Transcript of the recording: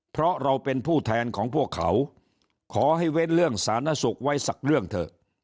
เพราะเราเป็นผู้แทนของพวกเขาขอให้เว้นเรื่องสาธารณสุขไว้สักเรื่องเถอะ